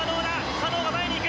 佐藤が前に行く。